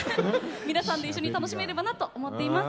皆さんと一緒に楽しめればなと思っています。